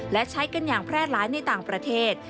และใช้กันอย่างแพร่หลายในต่างประเทศ